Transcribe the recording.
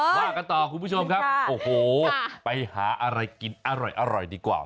ว่ากันต่อคุณผู้ชมครับโอ้โหไปหาอะไรกินอร่อยดีกว่า